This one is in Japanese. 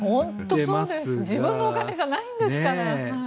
自分のお金じゃないんですから。